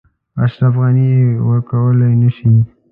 اشرف غني یې ورکولای نه شي.